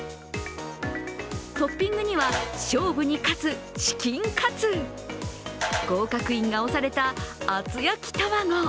トッピングには、勝負に勝つチキンカツ、合格印が押された厚焼き卵。